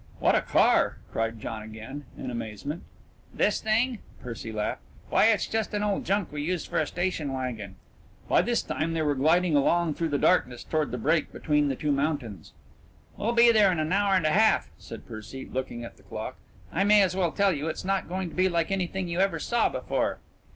"What a car!" cried John again, in amazement. "This thing?" Percy laughed. "Why, it's just an old junk we use for a station wagon." By this time they were gliding along through the darkness toward the break between the two mountains. "We'll be there in an hour and a half," said Percy, looking at the clock. "I may as well tell you it's not going to be like anything you ever saw before."